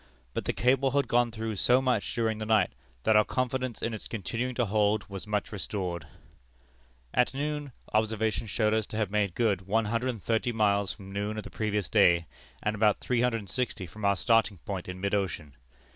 But the cable had gone through so much during the night, that our confidence in its continuing to hold was much restored. "At noon, observations showed us to have made good one hundred and thirty miles from noon of the previous day, and about three hundred and sixty from our starting point in mid ocean.